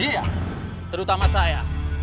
iya terutama saya